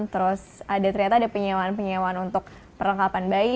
terus ada ternyata ada penyewaan penyewaan untuk perlengkapan bayi